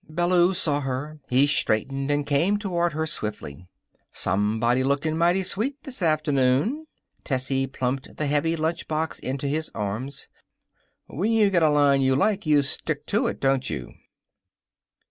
Ballou saw her. He straightened and came toward her swiftly. "Somebody looks mighty sweet this afternoon." Tessie plumped the heavy lunch box into his arms. "When you get a line you like you stick to it, don't you?"